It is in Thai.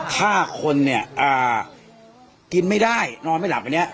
ฆ่าคนเนี่ยกินไม่ได้นอนไม่หลับอันนี้